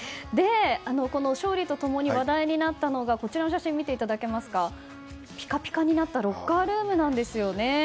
この勝利と共に話題になったのがこちらの写真、ピカピカになったロッカールームなんですよね。